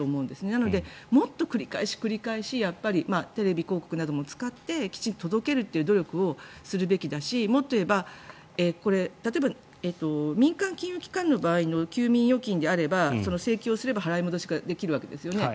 なのでもっと繰り返し、繰り返しテレビ広告なども使ってきちんと届けるという努力をするべきだしもっと言えば例えば民間金融機関の場合の休眠預金であれば請求をすれば払い戻しができるわけですよね。